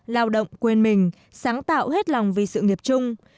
lao động quên mình sáng tạo hết lòng vì sự nghiệp chung